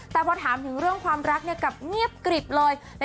แต่พอถามถึงเรื่องความรักกลับเงียบกริบเลย